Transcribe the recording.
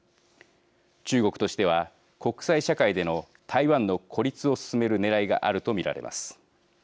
中国としては国際社会での台湾の孤立を進めるねらいがあると見られます。